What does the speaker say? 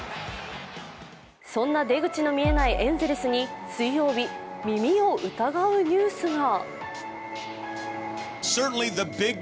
そんな出口の見えないエンゼルスに水曜日、耳を疑うニュースが。